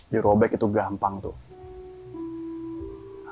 dirobek itu gampang tuh